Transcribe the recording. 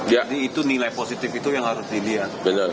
jadi itu nilai positif itu yang harus dilihat